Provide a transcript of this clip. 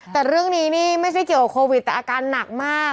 แต่เรื่องนี้นี่ไม่ใช่เกี่ยวกับโควิดแต่อาการหนักมาก